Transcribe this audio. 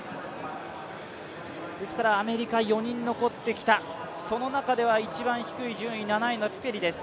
アメリカ４人残ってきた、その中では一番低い順位７位のピペリです。